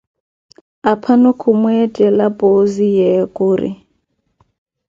Aphano khumweettela Puuzi, ye khuri.